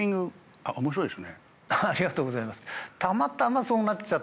ありがとうございます。